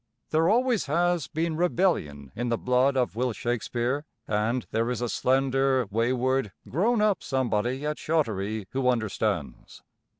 There always has been rebellion in the blood of Will Shakespeare, and there is a slender, wayward, grown up somebody at Shottery who understands.